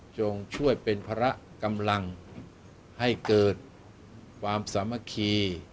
ช่วยเป็นพระกำลังให้เกิดความสามัคคี